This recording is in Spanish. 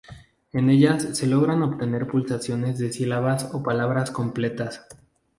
En ellas se logra obtener pulsaciones de sílabas o palabras completas.